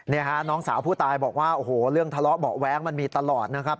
นี่ฮะน้องสาวผู้ตายบอกว่าโอ้โหเรื่องทะเลาะเบาะแว้งมันมีตลอดนะครับ